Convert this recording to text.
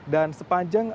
dan sepanjang alur